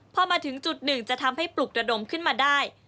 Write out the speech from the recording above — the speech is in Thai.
พอมาถึงจุดหนึ่งจะทำให้ปลุกระดมขึ้นมาได้